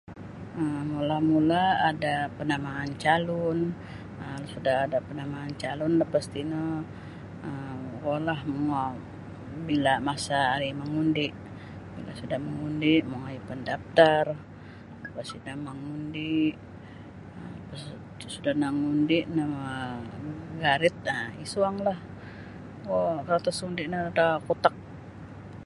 um Mula-mula ada panamaan calun um suda ada panamaan calun lapas tino um kuo la manguo bila masa hari mangundi bila suda mangundi mongoi pandaptar lapas mangundi sda nangundi namagarit isuanglah kuo kartas undi no da kutak.